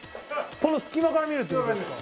この隙間から見るって事ですか？